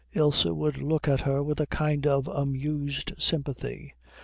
Ilse would look at her with a kind of amused sympathy.